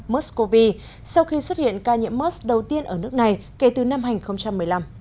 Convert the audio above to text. mers cov sau khi xuất hiện ca nhiễm mers đầu tiên ở nước này kể từ năm hai nghìn một mươi năm